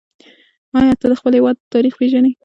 آیا ته د خپل هېواد تاریخ پېژنې؟